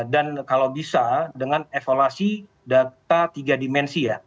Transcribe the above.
dan kalau bisa dengan evaluasi data tiga dimensi ya